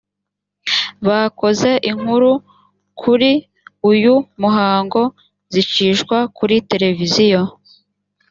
bakoze inkuru kuri uyu muhango zicishwa kuri televiziyo